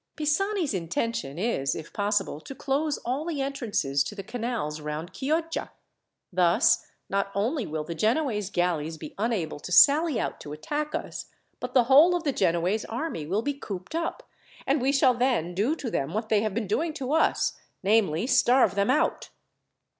"Pisani's intention is, if possible, to close all the entrances to the canals round Chioggia. Thus, not only will the Genoese galleys be unable to sally out to attack us, but the whole of the Genoese army will be cooped up, and we shall then do to them what they have been doing to us, namely, starve them out!"